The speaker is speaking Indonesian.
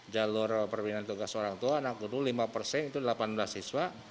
jalur perbincangan tugas orang tua anak guru lima persen itu delapan belas siswa